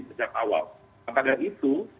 sejak awal maka dari itu